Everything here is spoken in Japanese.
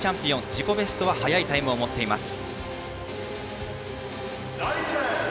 自己ベストは速いタイムを持っています。